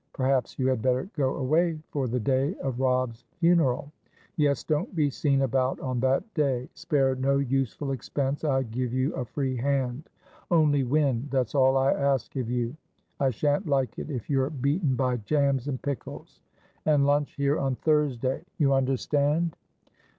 Perhaps you had better go away for the day of Robb's funeral. Yes, don't be seen about on that day. Spare no useful expense; I give you a free hand. Only win; that's all I ask of you. I shan't like it if you're beaten by jams and pickles. And lunch here on Thursdayyou understand?"